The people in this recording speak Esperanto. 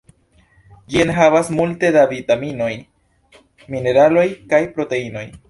Ĝi enhavas multe da vitaminoj, mineraloj kaj proteinoj.